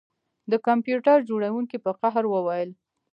د کمپیوټر جوړونکي په قهر وویل